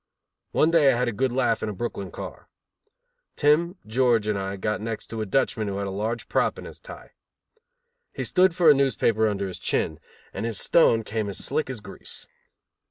One day I had a good laugh in a Brooklyn car. Tim, George and I got next to a Dutchman who had a large prop in his tie. He stood for a newspaper under his chin, and his stone came as slick as grease.